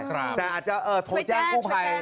แต่อาจจะโทรแจ้งกู้ภัย